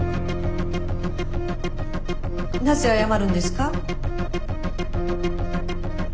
なぜ謝るんですか？